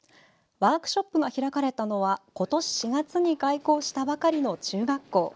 ワークショップが開かれたのは今年４月に開校したばかりの中学校。